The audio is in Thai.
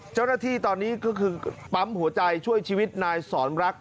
เจ้าหน้าที่ตอนนี้ก็คือปั๊มหัวใจช่วยชีวิตนายสอนรัก